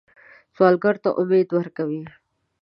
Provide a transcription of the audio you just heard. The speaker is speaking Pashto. سوالګر ته امید ورکوئ